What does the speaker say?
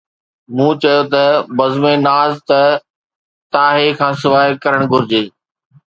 مون چيو ته، ”بزم ناز ته ”تاهي“ کان سواءِ ڪرڻ گهرجي.